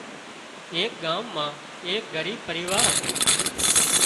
ايڪ ڳام مان ايڪ ڳريب پريوار هتُون